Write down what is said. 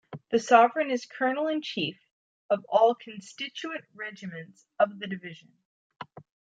The Sovereign is Colonel-in-chief of all the constituent regiments of the Division.